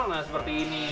nah seperti ini